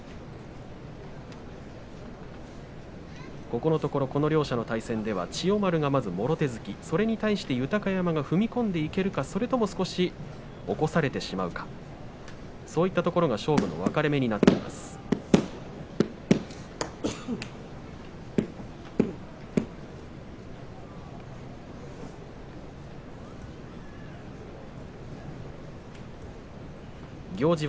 ここのところ千代丸がもろ手突き豊山が踏み込んでいけるかそれとも少し起こされてしまうかそういったところが勝負の分かれ目になっています、両者。